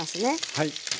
はい。